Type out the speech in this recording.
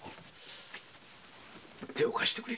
手を貸してくれ。